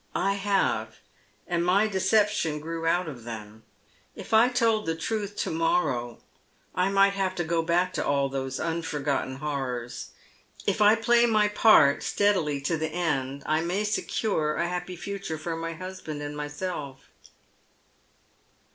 I have, and my deception grew out of them. If I told the truth to morrow I might have to go back to all those unforgotten horrors. If I play my part steadily to the end, I may secure a happy future for my husband and myself."